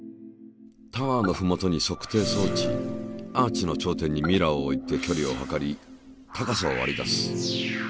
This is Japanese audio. タワーのふもとに測定装置アーチの頂点にミラーを置いてきょりを測り高さを割り出す。